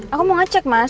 aku mau ngecek mas